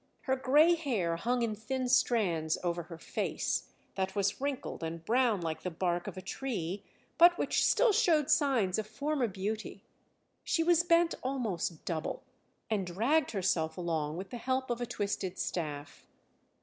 Her grey hair hung in thin strands over her face, that was wrinkled and brown like the bark of a tree, but which still showed signs of former beauty. She was bent almost double, and dragged herself along with the help of a twisted staff.